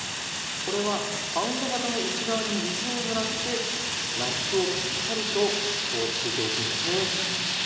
これはパウンド型の内側に水をぬらしてラップをピッタリと敷いておくんですね。